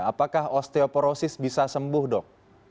apakah osteoporosis bisa sembuh dok